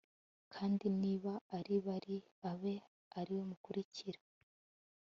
kandi niba ari Bali abe ari we mukurikira